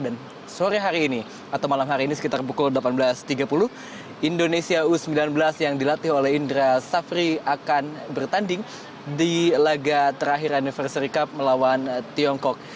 dan sore hari ini atau malam hari ini sekitar pukul delapan belas tiga puluh indonesia u sembilan belas yang dilatih oleh indra safri akan bertanding di laga terakhir anniversary cup melawan tiongkok